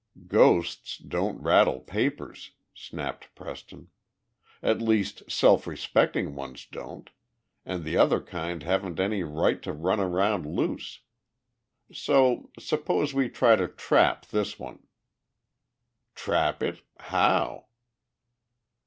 "Ghosts don't rattle papers," snapped Preston. "At least self respecting ones don't, and the other kind haven't any right to run around loose. So suppose we try to trap this one." "Trap it? How?"